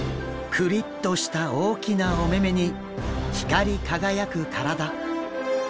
クリッとした大きなお目々に光り輝く体。